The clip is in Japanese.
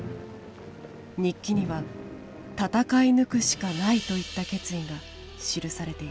日記には戦い抜くしかないといった決意が記されていく。